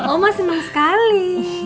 oma seneng sekali